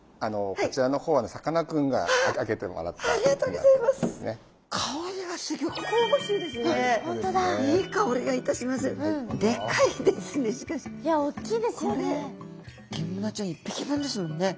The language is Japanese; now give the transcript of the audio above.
これギンブナちゃん１匹分ですもんね。